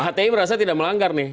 hti merasa tidak melanggar nih